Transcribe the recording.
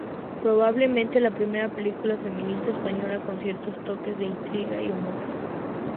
Probablemente la primera película feminista española con ciertos toques de intriga y humor.